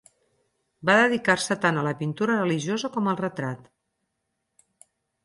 Va dedicar-se tant a la pintura religiosa com al retrat.